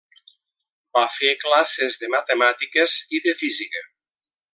Va fer classes de matemàtiques i de física.